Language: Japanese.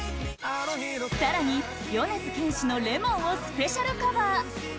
更に、米津玄師の「Ｌｅｍｏｎ」をスペシャルカバー！